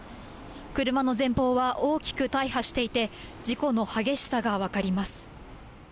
車の前方は大きく大破していて、事故の激しさが分かります。